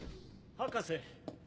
博士。